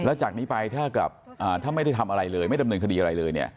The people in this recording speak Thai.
แล้วจากนี้ไปถ้าไม่ได้ทำอะไรเลยไม่ดำเนินคดีอะไรเลยเนี่ย